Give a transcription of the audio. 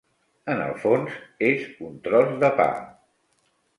En el fons és un tros de pa.